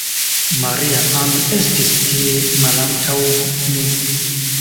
Maria-Ann estis tie, malantaŭ mi.